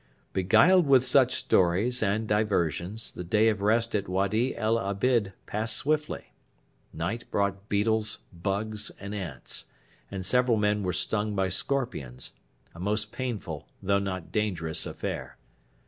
Beguiled with such stories and diversions, the day of rest at Wady el Abid passed swiftly. Night brought beetles, bugs, and ants, and several men were stung by scorpions a most painful though not dangerous affair.